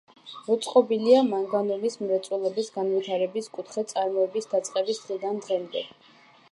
მოწყობილია მანგანუმის მრეწველობის განვითარების კუთხე წარმოების დაწყების დღიდან დღემდე.